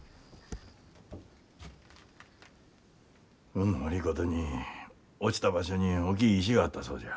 運の悪いことに落ちた場所に大きい石があったそうじゃ。